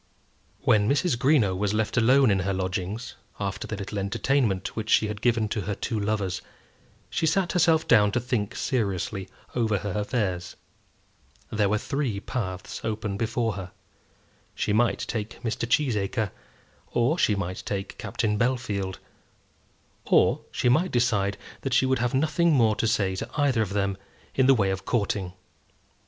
When Mrs. Greenow was left alone in her lodgings, after the little entertainment which she had given to her two lovers, she sat herself down to think seriously over her affairs. There were three paths open before her. She might take Mr. Cheesacre, or she might take Captain Bellfield or she might decide that she would have nothing more to say to either of them in the way of courting.